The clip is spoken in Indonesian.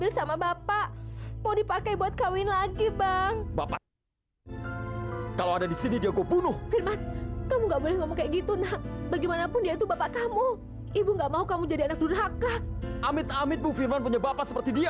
sampai jumpa di video selanjutnya